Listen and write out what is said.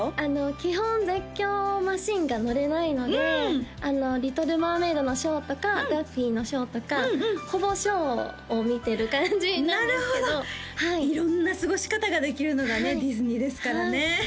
基本絶叫マシンが乗れないので「リトル・マーメイド」のショーとかダッフィーのショーとかほぼショーを見てる感じなんですけどなるほど色んな過ごし方ができるのがねディズニーですからね